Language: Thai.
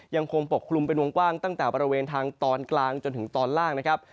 ยังคงปกคลุมเป็นวงกว้างตั้งแต่บริเวณทางตอนกลางจนถึงตอนล่างนะครับ